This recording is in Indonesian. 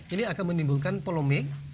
ini akan menimbulkan polemik